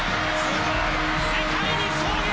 世界に衝撃！